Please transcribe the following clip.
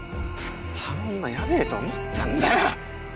あの女やべえと思ったんだよ